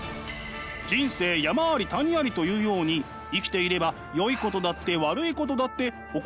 「人生山あり谷あり」というように生きていればよいことだって悪いことだって起こりますよね。